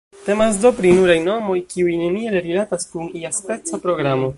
Temas do pri nuraj nomoj, kiuj neniel rilatas kun iaspeca programo.